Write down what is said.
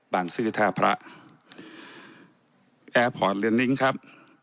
บางซื่อทาพระแอร์พอร์ตเรือนลิ้งครับ